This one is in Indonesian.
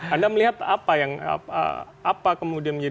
anda melihat apa yang apa kemudian menjadi